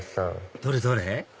どれどれ？